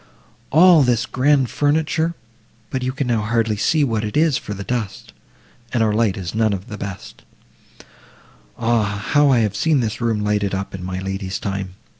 All this grand furniture, but you can now hardly see what it is for the dust, and our light is none of the best—ah! how I have seen this room lighted up in my lady's time!